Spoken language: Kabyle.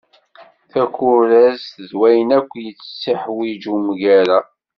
Takurazt d wayen akk yettiḥwiǧ umgara.